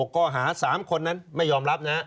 ข้อหา๓คนนั้นไม่ยอมรับนะ